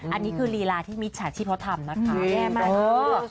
อันนี้คือรีลาที่มิชชาชิพธรรมนะคะแย่มาก